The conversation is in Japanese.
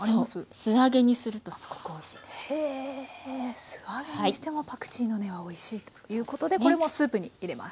素揚げにしてもパクチーの根はおいしいということでこれもスープに入れます。